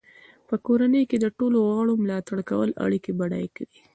په کورنۍ کې د ټولو غړو ملاتړ کول اړیکې بډای کوي.